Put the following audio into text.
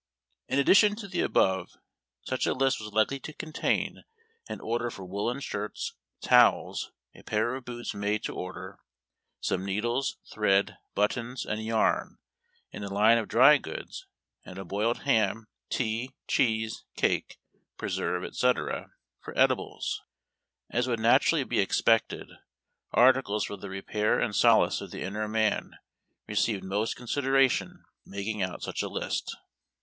In addition to the above, such a list was likely to contain an order for woollen shirts, towels, a pair of boots made to order, some needles, thread, buttons, and yarn, in the line of dry goods, and a boiled ham, tea, cheese, cake, preserve, etc., for edibles. As would naturally be expected, articles for the repair and solace of the inner man received most considera tion in making out such a list.